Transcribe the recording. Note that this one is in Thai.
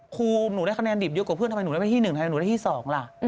ครูหนูได้คะแนนดิบเยอะกว่าเพื่อนทำไมหนูได้ที่๑ทำไมหนูได้ที่๒ล่ะ